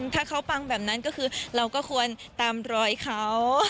ถ้าเขาปังแบบนั้นก็คือเราก็ควรตามรอยเขา